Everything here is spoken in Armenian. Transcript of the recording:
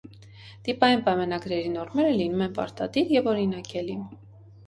Տիպային պայմանագրերի նորմերը լինում են պարտադիր և օրինակելի։